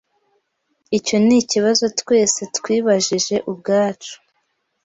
Icyo nikibazo twese twibajije ubwacu.